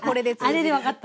あれで分かった？